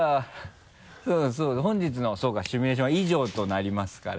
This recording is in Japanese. では本日のそうかシミュレーションは以上となりますから。